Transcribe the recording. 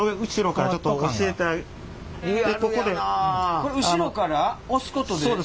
これ後ろから押すことで？